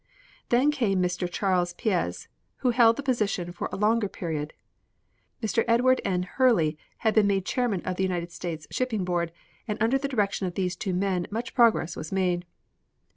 Then came Mr. Charles Piez, who held the position for a longer period. Mr. Edward N. Hurley had been made chairman of the United States Shipping Board, and under the direction of these two men much progress was made.